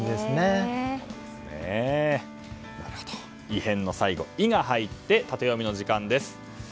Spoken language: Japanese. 異変の最後「イ」が入ってタテヨミの時間です。